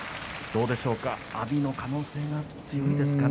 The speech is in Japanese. どうでしょうか阿炎の可能性が強いでしょうか？